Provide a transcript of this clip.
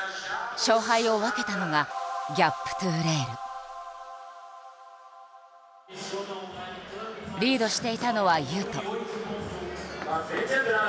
勝敗を分けたのがリードしていたのは雄斗。